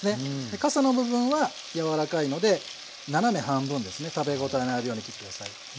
でかさの部分は柔らかいので斜め半分ですね食べ応えのあるように切って下さい。